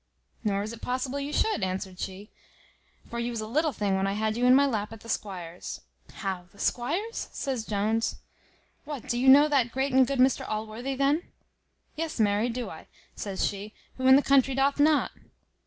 "Nor is it possible you should," answered she; "for you was a little thing when I had you in my lap at the squire's." "How, the squire's?" says Jones: "what, do you know that great and good Mr Allworthy then?" "Yes, marry, do I," says she: "who in the country doth not?"